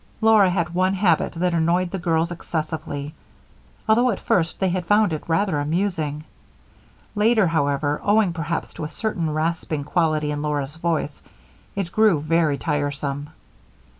Laura had one habit that annoyed the girls excessively, although at first they had found it rather amusing. Later, however, owing perhaps to a certain rasping quality in Laura's voice, it grew very tiresome.